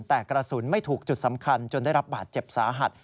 แต่กระสุนไม่ถูกจุดสำคัญจนได้รับบาดเจ็บสาหัส